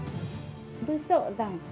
chúng tôi sợ rằng